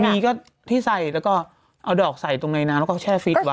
มีก็ที่ใส่แล้วก็เอาดอกใส่ตรงในน้ำแล้วก็แช่ฟิตไว้